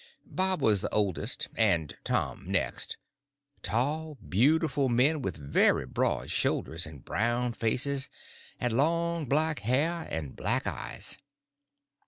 Bob was the oldest and Tom next—tall, beautiful men with very broad shoulders and brown faces, and long black hair and black eyes.